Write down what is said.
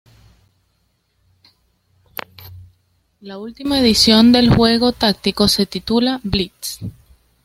La última edición del juego táctico se titula "Blitz!".